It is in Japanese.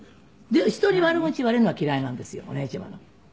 人に悪口言われるのは嫌いなんですよお姉ちゃまの。